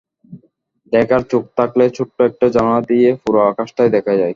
দেখার চোখ থাকলে ছোট্ট একটা জানালা দিয়ে পুরো আকাশটাই দেখা যায়।